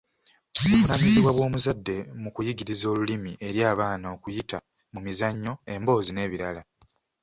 Buvunaanyizibwa bw’omuzadde mu kuyigiriza olulimi eri abaana okuyita mu mizannyo, emboozi n'ebirala.